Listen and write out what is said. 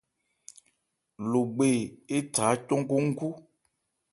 Logbe étha ácɔn nkhónkhó.